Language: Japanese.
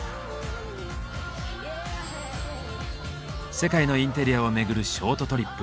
世界のインテリアを巡るショートトリップ。